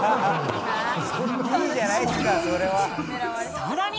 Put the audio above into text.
さらに。